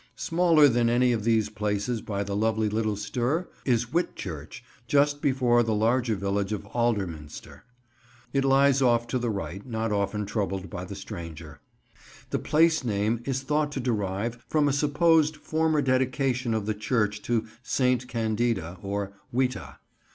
Smaller than any of these places by the lovely little Stour is Whitchurch, just before the larger village of Alderminster. It lies off to the right, not often troubled by the stranger. The place name is thought to derive from a supposed former dedication of the church to St. Candida, or Wita.